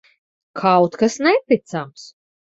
Kaut kas neticams.